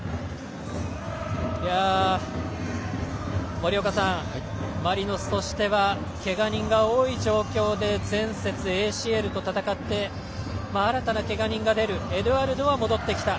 森岡さん、マリノスとしてはけが人が多い状況で前節ＡＣＬと戦って新たなけが人が出るエドゥアルドは戻ってきた。